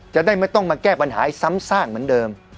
จะได้ไม่ต้องมาแก้ปัญหาให้ซ้ำซากเหมือนเดิม